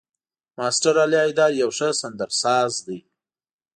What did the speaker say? ماسټر علي حيدر يو ښه سندرساز دی.